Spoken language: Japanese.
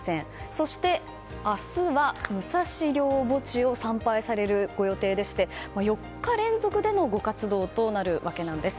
そして、明日は武蔵陵墓地を参拝されるご予定でして４日連続でのご活動となるわけです。